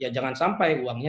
jangan sampai uangnya